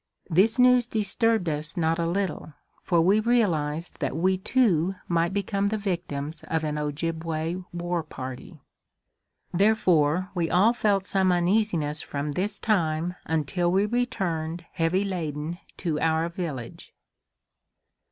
This news disturbed us not a little, for we realized that we too might become the victims of an Ojibway war party. Therefore we all felt some uneasiness from this time until we returned heavy laden to our village.